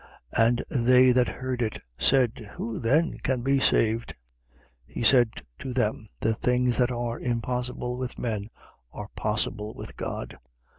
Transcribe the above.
18:26. And they that heard it said: Who then can be saved? 18:27. He said to them: The things that are impossible with men are possible with God.